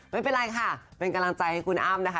ไม่เป็นไรค่ะเป็นกำลังใจให้คุณอ้ำนะคะ